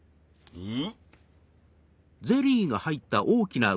うん。